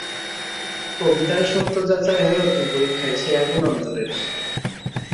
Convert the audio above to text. কবিতার সত্য যাচাই হয় অগ্নিপরীক্ষায়, সে আগুন অন্তরের।